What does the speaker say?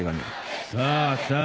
さあさあ